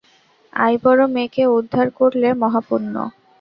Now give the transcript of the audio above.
আইবড়ো মেয়েকে উদ্ধার করলে মহাপুণ্য।